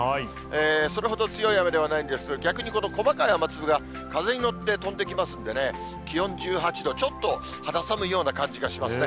それほど強い雨ではないんですけれども、逆に細かい雨粒が、風に乗って飛んできますんでね、気温１８度、ちょっと肌寒いような感じがしますね。